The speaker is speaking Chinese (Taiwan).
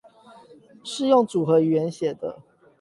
是用組合語言寫的